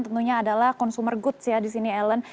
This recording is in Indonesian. tentunya adalah consumer goods ya di sini ellen